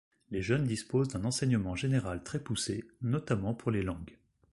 Les jeunes disposent d'un enseignement général très poussé, notamment pour les langues.